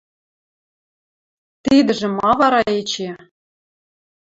Тидӹжӹ ма вара эче?